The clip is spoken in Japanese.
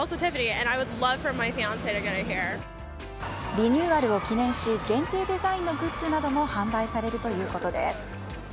リニューアルを記念し限定デザインのグッズなども販売されるということです。